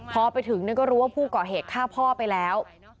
พอไปถึงก็รู้ว่าผู้ก่อเหตุฆ่าพ่อไปแล้ว